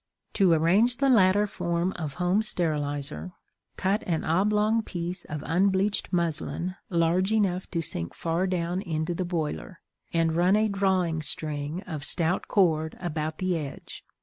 To arrange the latter form of home sterilizer, cut an oblong piece of unbleached muslin large enough to sink far down into the boiler and run a drawing string of stout cord about the edge.